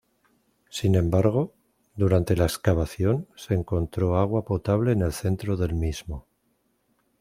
Sin embargo, durante la excavación, se encontró agua potable en el centro del mismo.